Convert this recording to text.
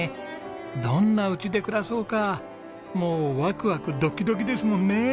どんな家で暮らそうかもうワクワクドキドキですもんね。